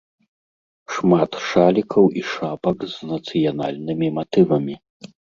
Шмат шалікаў і шапак з нацыянальнымі матывамі.